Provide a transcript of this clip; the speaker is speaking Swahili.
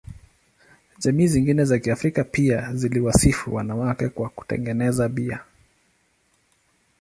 Jamii zingine za Kiafrika pia ziliwasifu wanawake kwa kutengeneza bia.